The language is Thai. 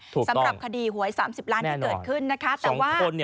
สำหรับคดีหวย๓๐ล้านที่เกิดขึ้นนะคะแต่ว่าถูกต้องแน่นอน